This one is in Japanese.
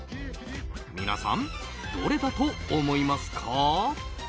皆さん、どれだと思いますか？